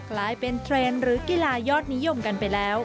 กลายเป็นเทรนด์หรือกีฬายอดนิยมกันไปแล้ว